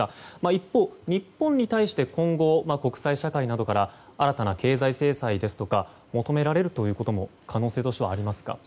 一方、日本に対して今後国際社会などから新たな経済制裁などを求められるということも可能性としてはありますか？